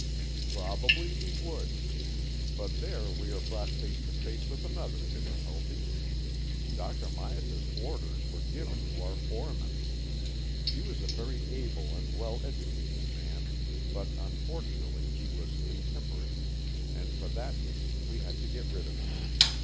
" Probably he would. But there we are brought face to face with another difficulty. Dr. Myas's orders were given to our fore man. He was a very able and well educated man, but unfortunately he was intemperate, and for that reason we had to get rid of him.